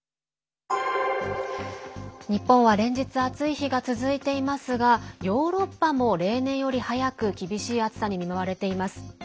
日本は、連日暑い日が続いていますがヨーロッパも例年より早く厳しい暑さに見舞われています。